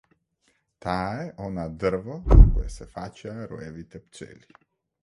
Таа е она дрво на кое се фаќаа роевите пчели.